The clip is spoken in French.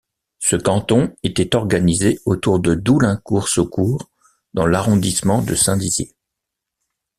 Ce canton était organisé autour de Doulaincourt-Saucourt dans l'arrondissement de Saint-Dizier.